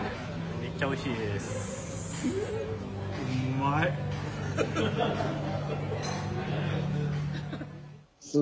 めっちゃおいしいです。